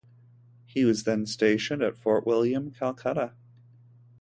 He was then stationed at Fort William, Calcutta.